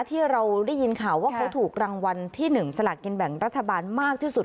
ที่เราได้ยินข่าวว่าเขาถูกรางวัลที่๑สลากินแบ่งรัฐบาลมากที่สุด